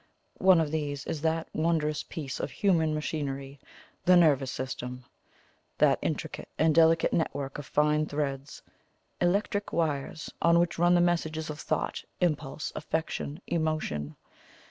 One of these is that wondrous piece of human machinery, the nervous system; that intricate and delicate network of fine threads electric wires on which run the messages of thought, impulse, affection, emotion.